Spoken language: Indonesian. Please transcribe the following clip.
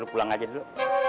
lo pulang aja dulu